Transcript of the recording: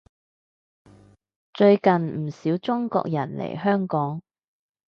最近唔少中國人嚟香港